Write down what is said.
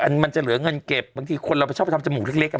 มันมันจะเหลือเงินเก็บบางทีคนเราไปชอบไปทำจมูกเล็กอ่ะ